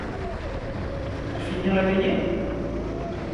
pour finir la veillée ?…